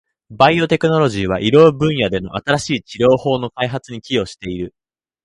バイオテクノロジーは、医療分野での新しい治療法の開発に寄与している。